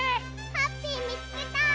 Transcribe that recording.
ハッピーみつけた！